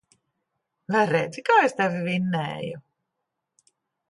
Vai redzi, kā es tevi vinnēju.